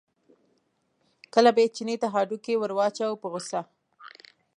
کله به یې چیني ته هډوکی ور واچاوه په غوسه.